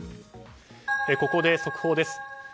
ここで速報です。